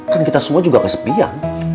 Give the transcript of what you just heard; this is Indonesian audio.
kan kita semua juga kesepian